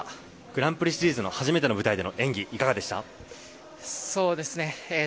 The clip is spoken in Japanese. グランプリシリーズの初めての舞台での演技はいかがでしたか？